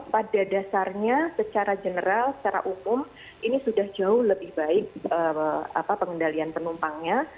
pada dasarnya secara general secara umum ini sudah jauh lebih baik pengendalian penumpangnya